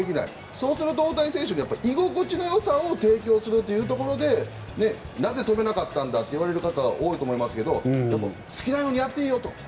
そうすると、大谷選手に居心地のよさを提供するというところでなぜ止めなかったんだと言われる方多いと思いますが好きなようにやっていいよと。